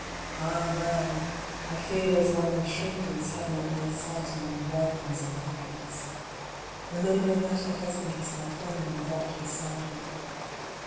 Ah well, I fear there's one will shrink and sadden at my sight among the welcomes and the happiness, remembering that her husband was my friend, and dropped beside me.